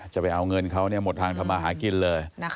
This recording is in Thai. จะไปเอาเงินเขาเนี่ยหมดทางเข้ามาหากินเลย